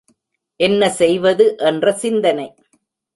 என்ன செய்வது என்ற சிந்தனை.